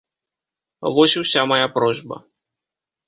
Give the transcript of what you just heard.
Вось і ўся мая просьба.